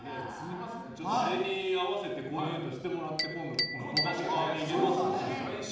これに合わせてコーディネートしてもらって今度、「ぽかぽか」に出ます。